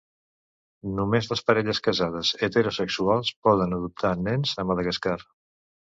Només les parelles casades heterosexuals poden adoptar nens a Madagascar.